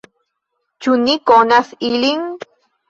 Ĉu ni konas ilin?